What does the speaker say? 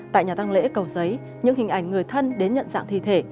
tại nhà tăng lễ cầu giấy những hình ảnh người thân đến nhận dạng thi thể